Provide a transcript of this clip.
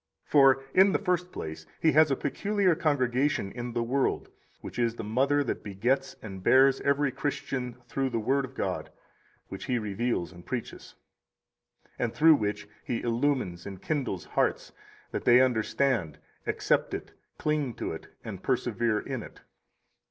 42 For, in the first place, He has a peculiar congregation in the world, which is the mother that begets and bears every Christian through the Word of God, which He reveals and preaches, [and through which] He illumines and enkindles hearts, that they understand, accept it, cling to it, and persevere in it.